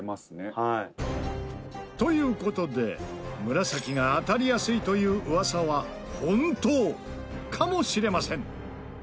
「はい」という事で紫が当たりやすいという噂は本当かもしれません。